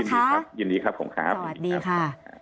ยินดีครับผมครับยินดีครับนะคะ๑๙๒๐สวัสดีค่ะ